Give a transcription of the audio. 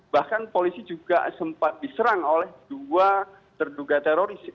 bahkan polisi juga sempat diserang oleh dua terduga teroris